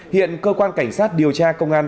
hiện cơ quan cảnh sát điều tra công an